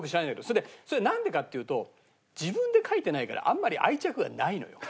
それでそれなんでかっていうと自分で描いてないからあんまり愛着がないのよ。